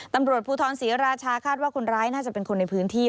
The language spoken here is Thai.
ตำรวจภูทรศรีราชาคาดว่าคนร้ายน่าจะเป็นคนในพื้นที่